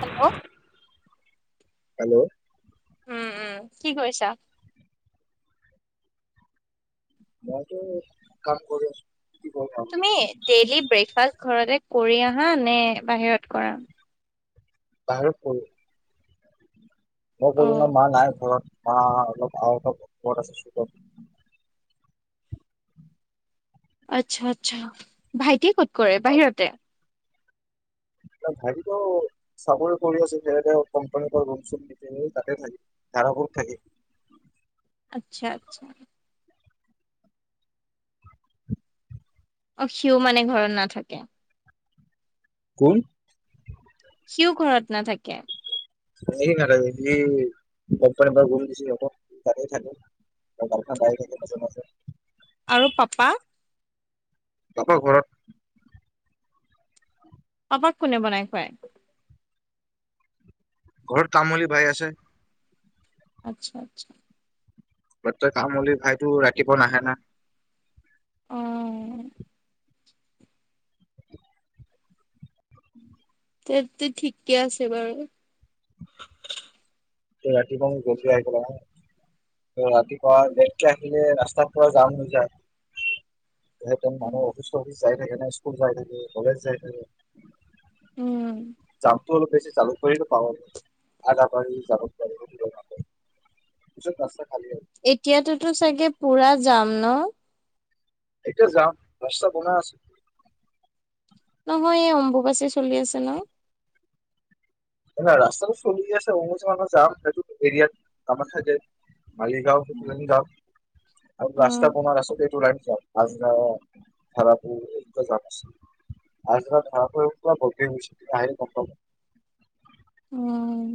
Hello. Hello. উম উম কি কৰিছা? মইটো কাম কৰি আছো। কি কৰো আৰু তুমি দেলি- ব্ৰেকফাষ্ট ঘৰতে কৰি আহা নে বাহিৰত কৰা। বাহিৰত কৰোঁ। মই কলো ন অ' মায়ে নাই ঘৰত। অ অ অলপ আৰু অলপ ওপৰত আছে। আচ্ছা আচ্ছা ভাইটি ক'ত-? কৰে বাহিৰতে? ভাইটিতো চাকৰি কৰি আছে যে কোম্পানীৰ পৰা ৰুম-চুম বিচাৰিলে তাতে থাকে, ভাৰাঘৰত থাকে। আচ্ছা আচ্ছা। অ সিও মানে ঘৰত নাথাকে। কোন? সিও ঘৰত নাথাকে। [unintelligible] কম্পানীৰ পৰা গম [unintelligible] থাকে গাড়ী থ- আৰু পাপা। পাপা ঘৰত। তোমাক কোনে বনাই খুৱায়? ঘৰত কামলি ভাই আছে। আচ্ছা আচ্ছা। ব তই কামলি ভাইটো ৰাতিপুৱা নাহে না। অঁ। তো ঠিকে আছে বাৰু। ত ৰাতিপুৱাওঁ জল্দি আহিব লাগে। ৰাতিপোৱা লেট কে আহি- ৰাস্তাৰ পৰা যাম নযায়। একদম মানে অফিচ-চফিচ- যায় থাকে না স্কুল যায় থাকে, কলেজ যাই থাকে। উম। ল বেছি চালু কৰি [unintelligible] [unintelligible] খালী- হয় এতিয়াতোতো চাগে পুৰা যাম ন? এতিয়া যাম ৰাস্তা বনাই আছে। নহয় এই অম্বুবাচী চলি আছে ন। ন ৰাস্তাটো চলি আছে [unintelligible] যাম সেইটো এৰিয়াত কামাখ্যা যায়। মালিগাঁও উম। [unintelligible] গাঁও আৰু উম ৰাস্তা পমাৰ আছতেটো লা- [unintelligible] উম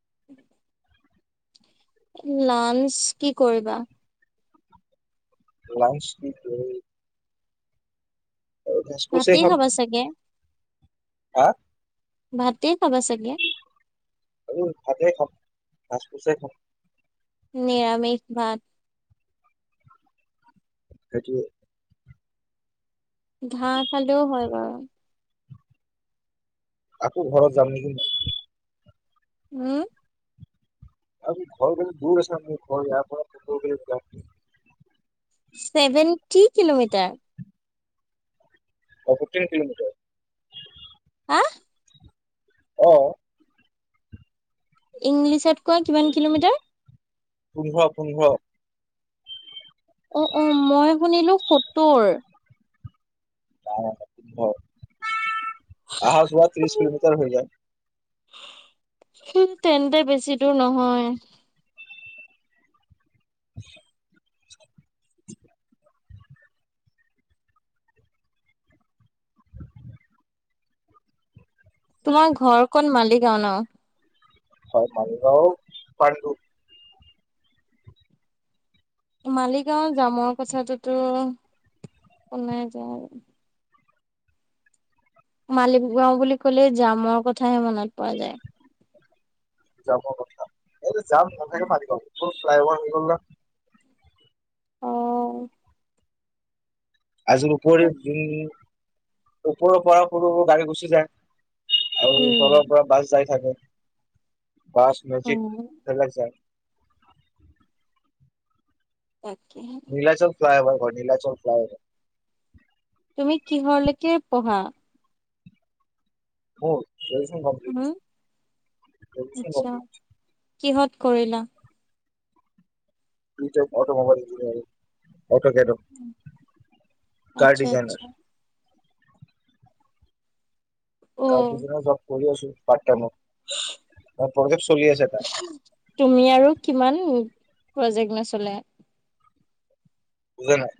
[inaudible] লাঞ্চ কি কৰিবা। লাঞ্চ কি কৰিম। ভাতে খাম খাবা চাগে হা ভাতে খাবা চাগে আৰু ভাতেই [unintelligible] নিৰামিষ ভাত সেইটোৱে ঘাঁহ খালেও হয় বাৰু আকৌ ঘৰত যাম নেকি মই উম [unintelligible] ছেভেন কি কিলোমিটাৰ [unintelligible] কিলোমিটাৰ হা অৱ ইংলিছত কোৱা কিমান কিলোমিটাৰ পোন্ধঅ' পোন্ধঅ অ অ মই শুনিলো সত্তোৰ [unintelligible] অহা যোৱা ত্ৰিশ কিলোমিটাৰ হৈ যায় । তেন্তে বেছি দূৰ নহয়। [inaudible] [inaudible] তোমাৰ ঘৰ ক'ত মালিগাও ন হয়, মালিগাও পানৰূপ মালিগাঁও জামৰ কথাটোতো শনাই যায় মালিকগাঁও বুলি কলে জামৰ কথাই মনত পৰা যায় । [unintelligible] এটো যাম নাথাকে পাৰিবা ফ্লাইঅ'ভাৰ হৈ গ'ল ন অ আজো উপৰিও উম ওপৰৰ পৰা সৰু সৰু গাড়ী গুচি যায়। আৰু তলৰ উম পৰা বাছ যাই থাকে। বাছ, মেজিক উম সেইবিলাক যায় । তাকে নীলাচল ফ্লেলাই অভাৰত। অঁ নীলাচল ফ্লেলাই। তুমি কিহৰ লৈকে পঢ়া? অঁ উম, আচ্ছা [inaudible] কিহত কৰিলা? অটমোবাইল। অট কেদৌ ছাৰ্ট আচ্ছা আচ্ছা। ডিজাইনাৰ। অ', তাৰপিছত- কৰি আছো প্ৰাইমটাইমত। [unintelligible] অ কলেজ। তুমি আৰু কিমান- প্ৰজেক্ট নচলোৱা। বুজা নাই।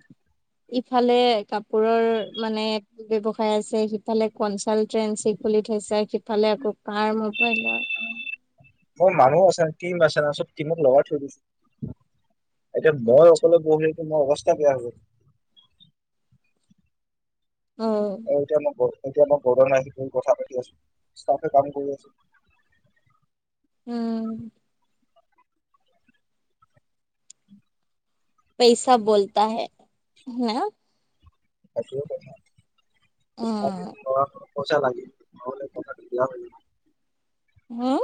ইফালে কাপোৰৰ মানে ব্যৱসায় আছে। সিফালে কনচাল্ট- ট্ৰেইন চি খুলি থৈছে। সিফালে আকৌ কাৰ মোক- কৰিলো আৰু। মানুহ আছে। টিম আছে ন' চব টিমক লগাই থৈ দিছে। এতিয়া মই অকলে বহি আছো। মই অবস্থা- তা বেয়া হব। অ', এটোয়ে মই কওঁ। এতিয়া মই কব নোৱাৰিছো কথা পাতি আছো। ষ্টাফে কাম কৰি আছে। উম। পেইচা বোলতা হে না। হেতোই কথা। উম, [unintelligible] পইচা লাগে ন'হ কথাটো। হোম।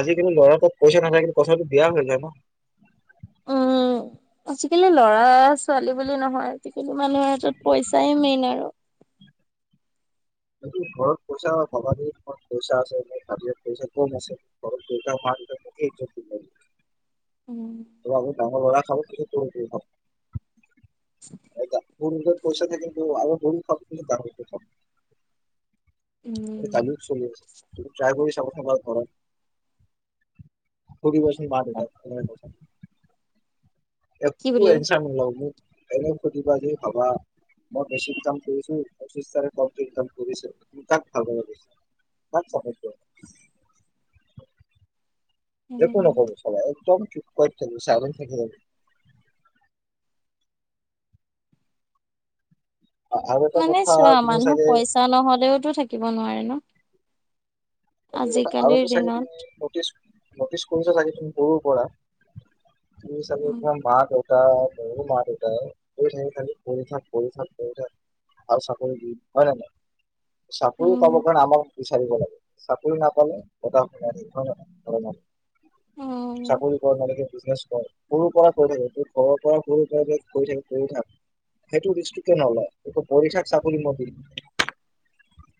আজি কালি ল'ৰা তোক পইচা নাথাকে পইচাটো বেয়া হৈ যায় ন। উম' আজিকালি লৰা- ছোৱালী বুলি নহয় আজি কালি- মানে মানুহৰ হাতত পইচাই মেইন আৰু। ঘৰত পইচা পাবা ঘৰত পইচা আছে মানে কাজত পইচা কম আছে মাৰ মুখেই- [inaudible] উম, খোৱা বোৱা কেতিয়া কৰিবা। ফোনত পইচা নাথাকে। আৰু- ফোন অ ফোন অ বেয়া হ'ল। উম। কালিও চলি আছে। যদি ট্ৰাই কৰি চাব পাৰা ঘৰত সুধিবাচোন মাক-দেউতাক [unintelligible] কি একো বুলি? এঞ্চাৰ নোলাব মোক এনে শুধিবা যে ভাবা মই বেছিক কাম কৰিছো পচ্ছিছ তাৰিখ [unintelligible] [unintelligible] একো উম। নকব চাবা একদম কি ক'ত খেলো, চাইলেণ্ট [unintelligible] আৰু এটা মানে কথা চোৱা তুমি মানুহ চাগে পইচা নহ'লেওতো থাকিব নোৱাৰে ন। এইটো কথা আজিকালিৰ [unintelligible] চাগে দিনত। তুমি নতিছ নটিচ কৰিছে চাগে তুমি সৰুৰ পৰা তুমি চাগে উম তোমাৰ [unintelligible] তাত মোৰো মা-দেউতাই কৈ থাকে খালি পঢ়ি থাক, পঢ়ি থাক, পঢ়ি থাক আৰু চাকৰি দি হয় না নয়? চাকৰি উম পাব কাৰণে আমাৰ বিচাৰিব লাগে। চাকৰি নাপালে কথা শুনাই থাকিব হয় নে নহয় [unintelligible] উম চাকৰি [unintelligible] নালাগে। বিজনেছ কৰ সৰুৰ পৰা কৈ থাকে ঘৰৰ পৰাই সৰুৰ পৰাই যে কৈ থাকে পঢ়ি থাক সেইটো ৰিস্কটো কিয় নলয় যে তই পঢ়ি থাক চাকৰি মই দিম।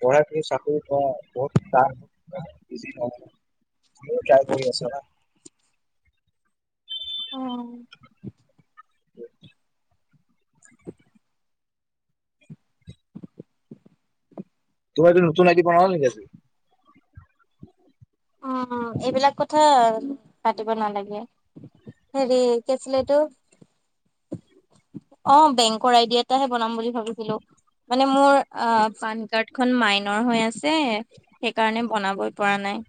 পঢ়াই [unintelligible] চাকৰি কৰ [unintelligible] তাক বুজি [unintelligible] [unintelligible] ট্ৰাই কৰি আছ না? অ'। [unintelligible] তোমাৰ এইতো নুতুন আই ডি বনালা নেকি আজি? উম, এইবিলাক কথা পাতিব নালাগে হেৰি কি আছিলে এইটো অ বেংকৰ আই ডি এটাহে বনাম বুলি ভাবিছিলো মানে মোৰ অ পান কাৰ্ডখন মাইনৰ হৈ আছে সেইকাৰণে বনাবই পাৰা নাই।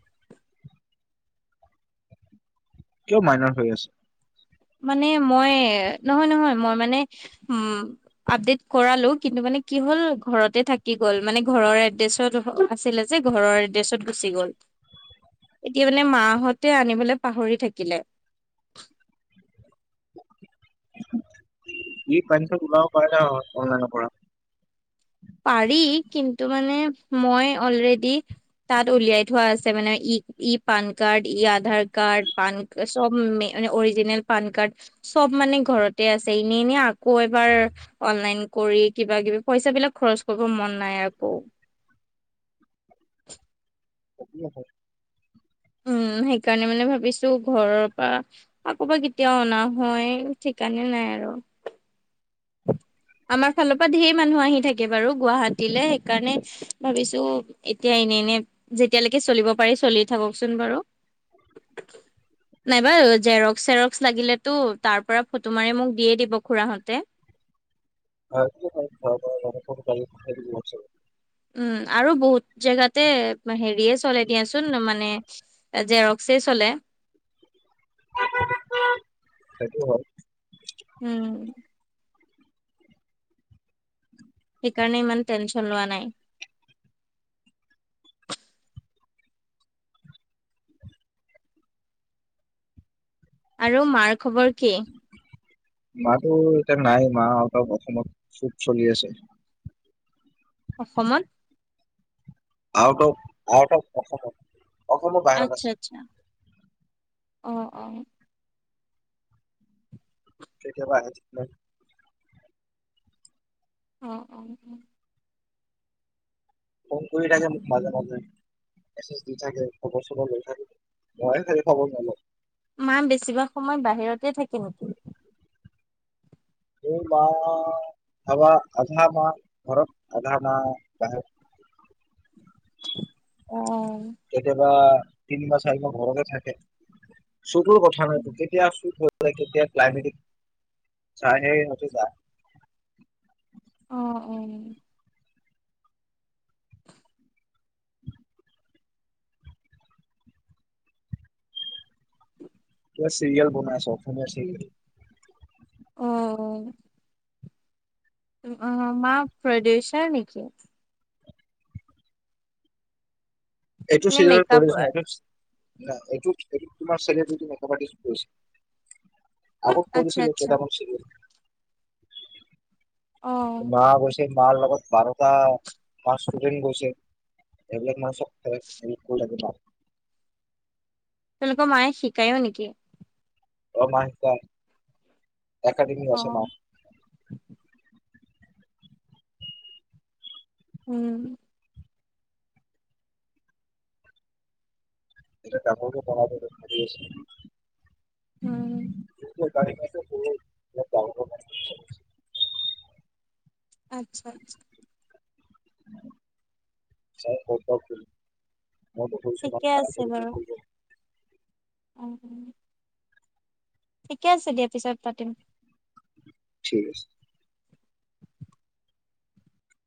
কিয় মাইনৰ হৈ আছে? মানে মই নহয় নহয়, মই মানে উম আপডেট কৰালো কিন্তু মানে কি হল ঘৰতে থাকি গ'ল মানে ঘৰৰ এড্ৰেছৰ দ আছিলে যে ঘৰৰ এড্ৰেছত গুচি গ'ল। এতিয়া মানে মা হঁতে আনিব পাহৰি থাকিলে। ই পাঞ্চত উলাব পাৰে নহয় অনলাইনৰ পৰা। পাৰি কিন্তু মানে মই অলৰেডি তাত উলিয়াই থোৱা আছে মানে ই - ই পান কাৰ্ড, ই আধাৰ কাৰ্ড, পান চব মে মানে অৰিজিনেল পান কাৰ্ড চব মানে ঘৰতে আছে। এনে এনে আকৌ এবাৰ অনলাইন কৰি কিবা কিবি পইচা বিলাক খৰচ কৰিব মন নাই আকৌ। [inaudible] [unintelligible] উম, সেইকাৰণে মানে ভাবিছো ঘৰৰ পৰা আকৌ বা কেতিয়া অনা হয় সেইকাৰণে নাই আৰু। আমাৰ ফালৰ পৰা ঢেৰ মানুহ আহি থাকে বাৰু গুৱাহাটীলে এইকাৰণে ভাবিছো এতিয়া এনে এনে যেতিয়ালৈকে চলিব পাৰি চলি থাককচোন বাৰু নাইবা জেৰক্স চেৰক্স লাগিলেতো তাৰ পৰা ফটো মাৰি মোক দিয়ে দিব খুৰাহঁতে। [unintelligible] উম আৰু বহুত জেগাতে হেৰিয়ে চলে দিয়া চোন মানে জেৰক্সই চলে । সটো হয়। উম সেইকাৰণে ইমান টেনচন লোৱা নাই। আৰু মাৰ খবৰ কি? মাতো এতিয়া নাই মা আউট অফ অসমত চুব চলি আছে । অসমত। আউ অফউ অঅঁ অসমৰ বাহিৰত আছে। আহ অঁ। কেতিয়াবা আহি থাকে । অঁ অঁ অঁ। ফোন কৰি থাকে মোক মাজে মাজে ম দি থাকে খবৰ চু গৈ থাকে মই খাল খবৰ নলওঁ । মা বেছিভাগ সময় বাহিৰতে থাকে নেকি। এই আৰ আধা ঘৰ আধা মাবাহিৰত । অঁ কেতিয়াবা। তিনি ম চ আাল ঘৰৰত থাকে । চুতৰ কথা নাইতো কেতিয়া চুত । কেতিয়া ক্লাইমেটিক চাই সেহ যায় । অঁ অঁ। এ চিৰিয়েল বনাইছে অ অসমীয়া চিৰিয়েল। অঁ। অঁ মা প্ৰদুষাৰ নেকি! এইটো নে চিৰি মেকআপ প্ৰডফি! ন এইটো এইটো তোমাৰ চেলিব্ৰটী মা কি কৰিছে । আকৈ আচ্ছা কছিলো আচ্ছা ত শি আহঁ মা গৈছে মাৰ লগত বাৰটা ম ষ্টুডেট গৈছে এইবিলাক মানু এক ল ক তেওঁলোকৰ মায়ে শিকায়ো নেকি। অঁ মা শিকাই একাডেমি অ আছে ন! উম। এ কাপোৰটো পনাবৰি আছে । উম। [inaudible] আচ্ছা আচ্ছা। ব [unintelligible] মই বষ্য খ ঠিকে কৰিবো [unintelligible] উম। ঠিকে আছে দিয়া পিছত পাতিম। ঠিক আছে।